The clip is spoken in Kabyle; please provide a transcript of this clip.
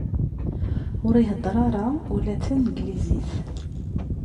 Ur ihedder ara ula d taneglizit.